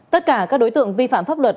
tất cả các đối tượng vi phạm pháp luật